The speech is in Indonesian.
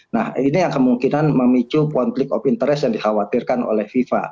nah ini yang kemungkinan memicu konflik of interest yang dikhawatirkan oleh fifa